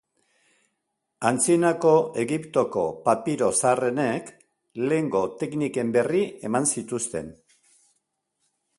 Antzinako Egiptoko papiro zaharrenek lehengo tekniken berri eman zituzten.